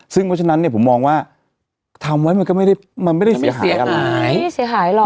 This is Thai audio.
ซึ่งเพราะฉะนั้นเนี่ยผมมองว่าทำไว้มันก็ไม่ได้เสียหายอะไร